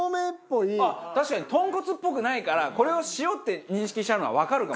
あっ確かに豚骨っぽくないからこれを塩って認識しちゃうのはわかるかも。